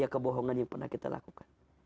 kebohongan yang pernah kita lakukan